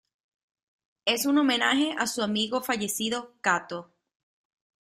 Es un homenaje a su amigo fallecido Kato.